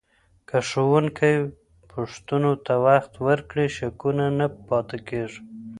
که ښوونکی پوښتنو ته وخت ورکړي، شکونه نه پاته کېږي.